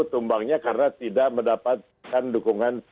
tumbangnya karena tidak mendapatkan dukungan